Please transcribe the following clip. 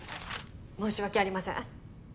申し訳ありません。